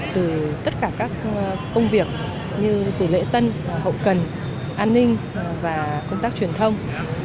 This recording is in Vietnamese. từ tất cả các công việc như tỷ lệ tân hậu cần an ninh và công tác truyền thông